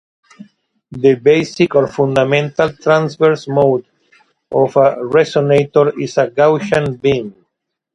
The basic, or fundamental transverse mode of a resonator is a Gaussian beam.